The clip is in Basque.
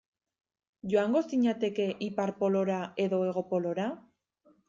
Joango zinateke Ipar Polora edo Hego Polora?